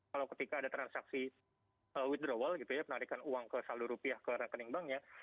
kalau ketika ada transaksi withdrawal penarikan uang ke saldo rupiah ke rekening banknya